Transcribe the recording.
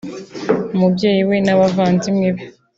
umubyeyi we n’abavandimwe be